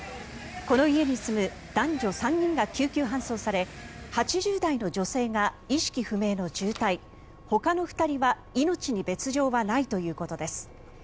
この家に住む男女３人が救急搬送され８０代の女性が意識不明の重体ほかの２人は命に別条はないということです。